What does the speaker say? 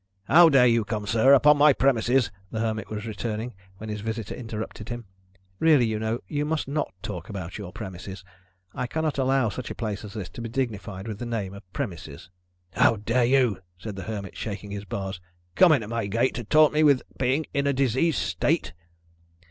"How dare you come, sir, upon my promises " the Hermit was returning, when his visitor interrupted him. "Really, you know, you must not talk about your premises. I cannot allow such a place as this to be dignified with the name of premises." "How dare you," said the Hermit, shaking his bars, "come in at my gate, to taunt me with being in a diseased state?"